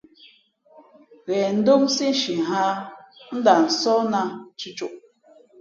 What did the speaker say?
Ghen ndómsí nshi hᾱ ā, n ndah sóh nā a cʉ̄ʼcôʼ.